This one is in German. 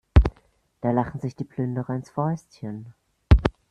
Da lachen sich die Plünderer ins Fäustchen.